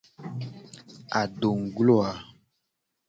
Adoglo a.